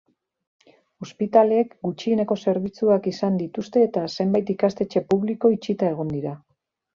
Ospitaleek gutxieneko zerbitzuak izan dituzte eta zenbait ikastetxe publiko itxita egon dira.